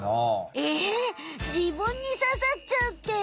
ええ自分にささっちゃうって。